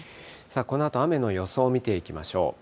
このあと雨の予想を見ていきましょう。